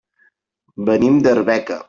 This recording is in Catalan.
Venim d'Arbeca.